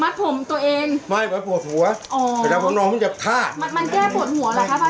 มัดผมตัวเองไม่เพราะปวดหัวอ๋อแต่ถ้าผมนองมันจะฆ่ามันมันแก้ปวดหัวหรอครับ